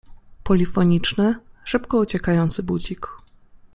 Polifoniczny, szybko uciekający budzik.